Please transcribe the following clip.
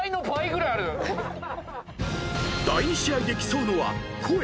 ［第２試合で競うのは声］